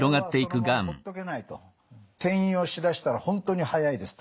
転移をしだしたら本当に速いですと。